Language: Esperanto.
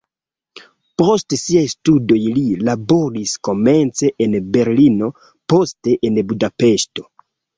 Post siaj studoj li laboris komence en Berlino, poste en Budapeŝto.